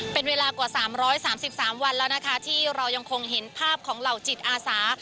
เป็นเวลากว่า๓๓วันแล้วนะคะที่เรายังคงเห็นภาพของเหล่าจิตอาสา